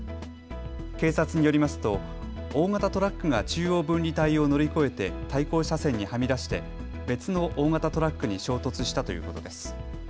警察によりますと大型トラックが中央分離帯を乗り越えて対向車線にはみ出して別の大型トラックに衝突したということです。